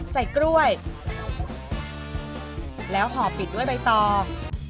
ใส่กล้วยแล้วห่อปิดด้วยใบตอง